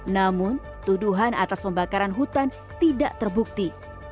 namun tuduhan atas pembakaran hutan tidak terbukti